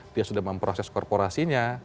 dia sudah memproses korporasinya